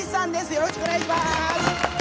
よろしくお願いします！